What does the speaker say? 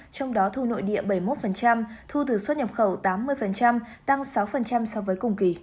trong đó thu nội địa bảy mươi một thu từ xuất nhập khẩu tám mươi tăng sáu so với cùng kỳ